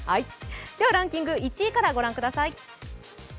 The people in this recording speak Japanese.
ではランキング１位からご覧ください。